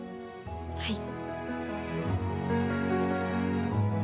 はい。